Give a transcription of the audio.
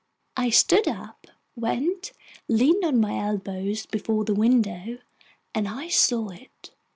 I stood up, went, leaned on my elbows before the window, and I saw it.